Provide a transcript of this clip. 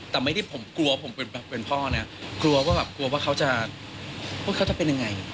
แต่ไม่ได้ผมกลัวผมเป็นพ่อนะกลัวว่าเขาจะเป็นยังไง